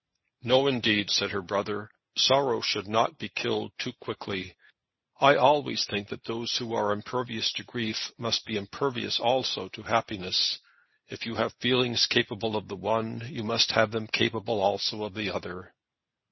"No, indeed," said her brother. "Sorrow should not be killed too quickly. I always think that those who are impervious to grief must be impervious also to happiness. If you have feelings capable of the one, you must have them capable also of the other!"